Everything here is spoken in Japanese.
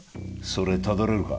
それたどれるか？